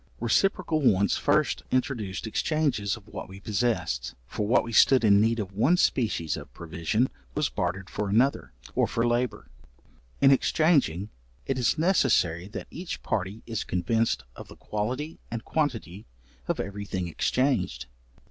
Reciprocal wants first introduced exchanges of what we possessed, for what we stood in need of one species of provision was bartered for another, or for labour. In exchanging, it is necessary that each party is convinced of the quality and quantity of every thing exchanged.